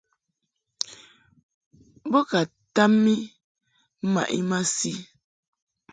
Bo ka tam I mmaʼ I masi.